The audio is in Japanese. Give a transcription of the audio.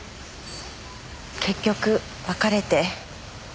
結局別れて。